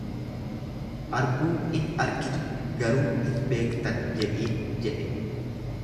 Arguu in argitu garuu hin beektan jedhiin jedhe.